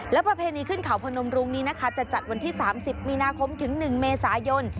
และประเพณีขึ้นเขาพนมรุงนี้นะคะจะจัดวันที่๓๐มีนาคมถึง๑เมษายน